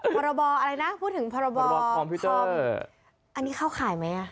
พรบอะไรนะพูดถึงพรบคอมพิวเตอร์อันนี้เข้าข่ายไหมอ่ะ